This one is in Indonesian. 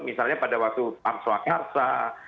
misalnya pada waktu pam swakarsa